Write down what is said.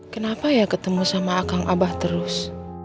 kenapa ya ketemu sama akang abah terus